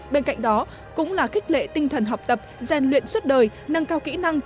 bên cạnh đó cũng là khích lệ tinh thần học tập gian luyện suốt đời nâng cao kỹ năng